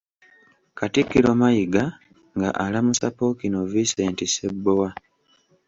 Katikkiro Mayiga nga alamusa Ppookino Vincent Ssebbowa.